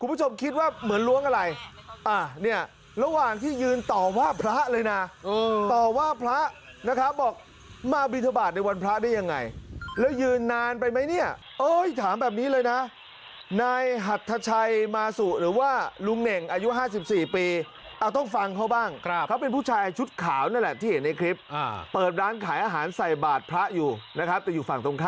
คุณผู้ชมคิดว่าเหมือนล้วงอะไรอ่ะเนี่ยระหว่างที่ยืนต่อว่าพระเลยนะต่อว่าพระนะครับบอกมาบินทบาทในวันพระได้ยังไงแล้วยืนนานไปไหมเนี่ยเอ้ยถามแบบนี้เลยนะนายหัทชัยมาสุหรือว่าลุงเน่งอายุ๕๔ปีเอาต้องฟังเขาบ้างครับเขาเป็นผู้ชายชุดขาวนั่นแหละที่เห็นในคลิปเปิดร้านขายอาหารใส่บาทพระอยู่นะครับแต่อยู่ฝั่งตรงข